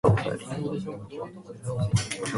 日本和牛有近江、松阪同神戶牛